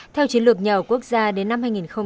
theo chiến lược nhà ở quốc gia đến năm hai nghìn ba mươi